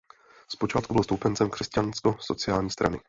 Zpočátku byl stoupencem Křesťansko sociální strany.